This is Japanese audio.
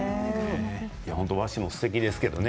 和紙もすてきですけどね。